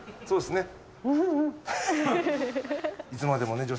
そうですね。